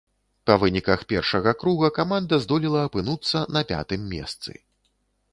Па выніках першага круга каманда здолела апынуцца на пятым месцы.